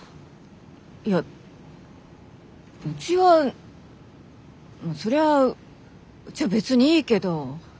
いやうちはそりゃうちは別にいいけど。